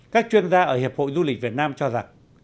các chuyên gia ở hiệp hội du lịch việt nam cho rằng